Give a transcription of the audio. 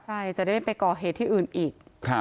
ใช่จะได้ไปก่อเหตุที่อื่นอีก